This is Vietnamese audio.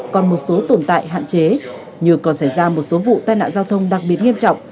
còn một số tồn tại hạn chế như còn xảy ra một số vụ tai nạn giao thông đặc biệt nghiêm trọng